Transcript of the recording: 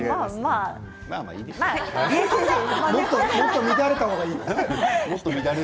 もっと乱れたほうがいい？